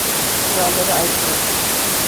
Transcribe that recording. Kurallara aykırı.